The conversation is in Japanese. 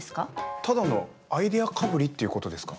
ただのアイデアかぶりっていうことですか？